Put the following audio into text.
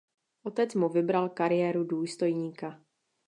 Otec mu vybral kariéru důstojníka.